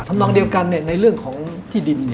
นองเดียวกันในเรื่องของที่ดิน